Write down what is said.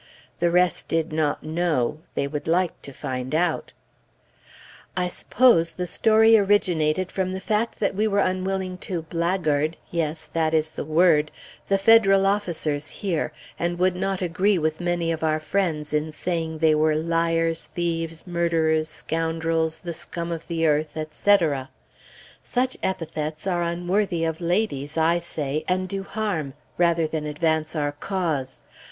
The rest did not know; they would like to find out. I suppose the story originated from the fact that we were unwilling to blackguard yes, that is the word the Federal officers here, and would not agree with many of our friends in saying they were liars, thieves, murderers, scoundrels, the scum of the earth, etc. Such epithets are unworthy of ladies, I say, and do harm, rather than advance our cause.